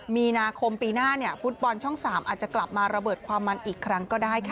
มีนาคมปีหน้าฟุตบอลช่อง๓อาจจะกลับมาระเบิดความมันอีกครั้งก็ได้ค่ะ